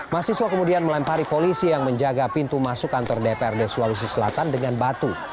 mahasiswa kemudian melempari polisi yang menjaga pintu masuk kantor dprd sulawesi selatan dengan batu